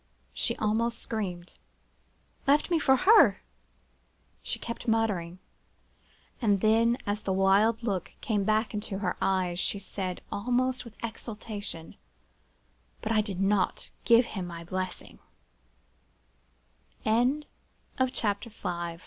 she almost screamed. 'Left me for her!' she kept muttering; and then, as the wild look came back into her eyes, she said, almost with exultation, 'But I did not give him my blessin